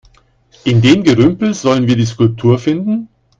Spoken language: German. In dem Gerümpel sollen wir die Skulptur finden?